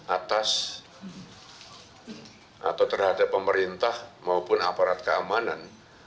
atas atau terhadap pemerintah maupun aparat keamanan